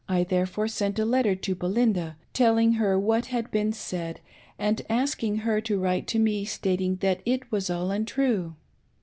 58,3 therefore sent a letter to Belinda, telluig her what had been said and asking her to ■wrrite to me stating that it was all untrue.